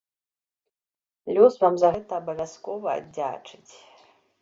Лёс вам за гэта абавязкова аддзячыць!